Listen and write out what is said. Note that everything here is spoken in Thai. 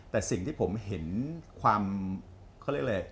แต่สิ่งที่ผมเห็นความเขาเรียกอะไร